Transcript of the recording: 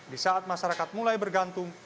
di saat masyarakat mulai bergantung